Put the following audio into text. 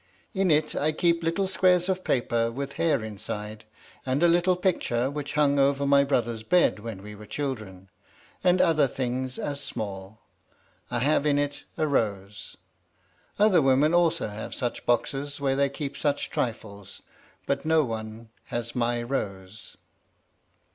In it I keep little squares of paper, with hair inside, and a little picture which hung over my brother's bed when we were children, and other things as small. I have in it a rose. Other women also have such boxes where they keep such trifles, but no one has my rose.